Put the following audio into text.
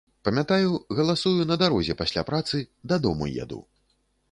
Памятаю, галасую на дарозе пасля працы, дадому еду.